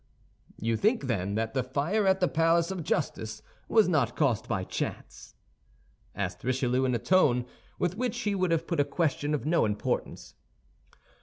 "You think, then, that the fire at the Palace of Justice was not caused by chance?" asked Richelieu, in the tone with which he would have put a question of no importance.